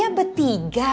coba bener ya